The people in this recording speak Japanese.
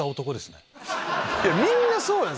みんなそうなの！